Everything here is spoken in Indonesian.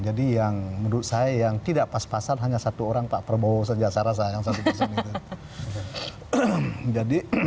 jadi yang menurut saya yang tidak pas pasan hanya satu orang pak prabowo saja saya rasa